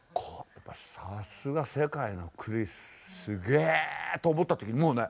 さすが世界のクリスすげえ！と思った時もうね